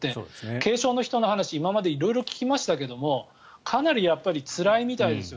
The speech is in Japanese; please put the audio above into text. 軽症の人の話今まで色々聞きましたけどかなりつらいみたいですよ